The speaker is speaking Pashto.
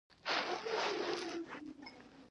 دا ټول مفهومونه د بشریت په قاموس کې درج کوي.